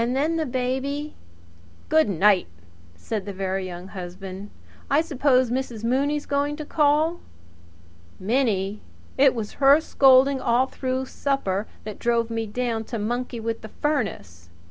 Then the baby " "Good night!" said the Very Young Husband. "I suppose Mrs. Mooney's going to call?" "Minnie! It was her scolding all through supper that drove me down to monkey with the furnace.